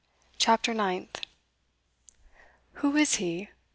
CHAPTER NINTH Who is he?